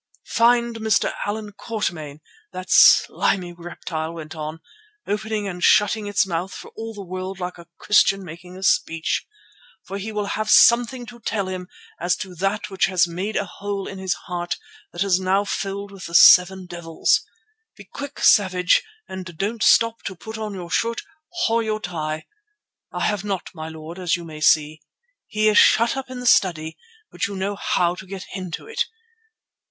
"Find Mr. Allan Quatermain," that slimy reptile went on, opening and shutting its mouth for all the world like a Christian making a speech, "for he will have something to tell him as to that which has made a hole in his heart that is now filled with the seven devils. Be quick, Savage, and don't stop to put on your shirt or your tie"—I have not, my lord, as you may see. "He is shut up in the study, but you know how to get into it.